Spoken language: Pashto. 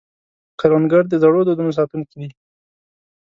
کروندګر د زړو دودونو ساتونکی دی